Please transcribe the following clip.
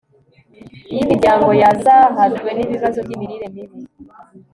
iyo imiryango yazahajwe n'ibibazo by'imirire mibi